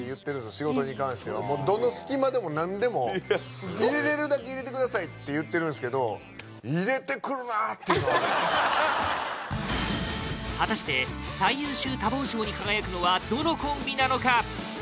仕事に関してはもうどの隙間でも何でも入れれるだけ入れてくださいって言ってるんすけど果たして最優秀多忙賞に輝くのはどのコンビなのか？